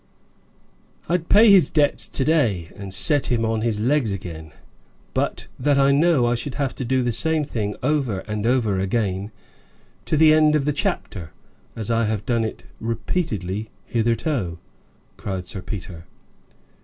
"I'd pay his debts to day and set him upon his legs again, but that I know I should have to do the same thing over and over again to the end of the chapter, as I have done it repeatedly hitherto," cried Sir Peter.